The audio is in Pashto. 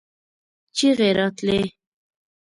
چيغې راتلې.